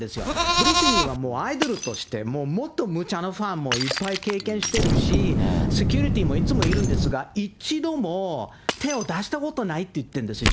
ブリトニーはアイドルとして、もっと無茶なファンもいっぱい経験してるし、セキュリティーもいつもいるんですが、一度も手を出したことないって言ってるんですよ。